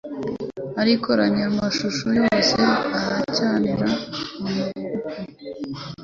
Arakoranya amashyo yose, aracanira mu mikuku.